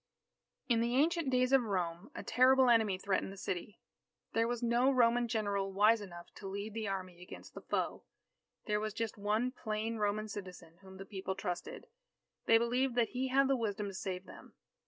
_ In the ancient days of Rome, a terrible enemy threatened the city. There was no Roman general wise enough to lead the army against the foe. There was just one plain Roman citizen whom the people trusted. They believed that he had the wisdom to save them.